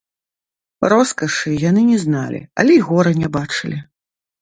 Роскашы яны не зналі, але й гора не бачылі.